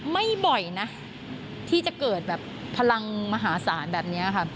ไม่บ่อยนะที่จะเกิดแบบพลังมหาศาลแบบนี้ค่ะ